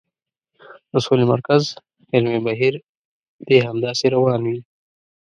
د سولې مرکز علمي بهیر دې همداسې روان وي.